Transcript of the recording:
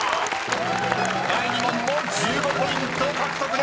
［第２問も１５ポイント獲得です］